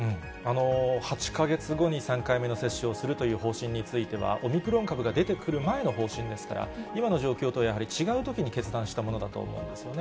８か月後に３回目の接種をするという方針については、オミクロン株が出てくる前の方針ですから、今の状況とやはり、違うときに決断したものだと思うんですよね。